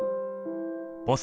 ボス